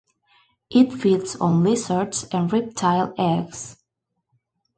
It feeds on lizards and reptile eggs.